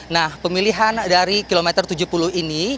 nah pemilihan dari kilometer tujuh puluh ini